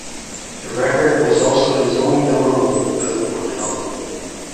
The record was also his only number one "Billboard" album.